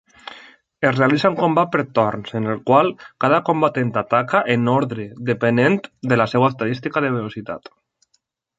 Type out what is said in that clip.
Es realitza un combat per torns en el qual cada combatent ataca en ordre depenent de la seva estadística de velocitat.